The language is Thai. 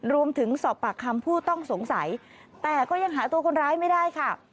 รวมถึงสอบปากคำผู้ต้องสงสัยแต่ก็ยังหาตัวคนร้ายไม่ได้ค่ะ